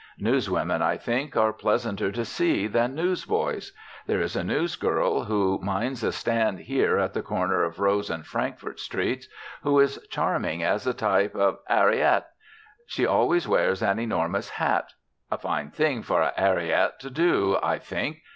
Newswomen, I think, are pleasanter to see than newsboys. There is a newsgirl who minds a stand here at the corner of Rose and Frankfort Streets who is charming as a type of 'Arriet. She always wears an enormous hat. A fine thing for a 'Arriet to do, I think.